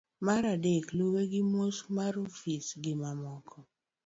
mar adek, luwe gi mos mar ofis gimamoko